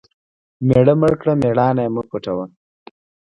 مېړه مړ کړه مېړانه مه پوټوه .